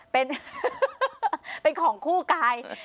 เป็นของคู่กาย